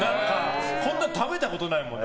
こんなの食べたことないもん。